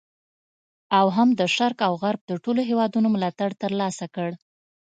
او هم د شرق او غرب د ټولو هیوادونو ملاتړ تر لاسه کړ.